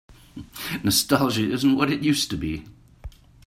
Nostalgia isn't what it used to be.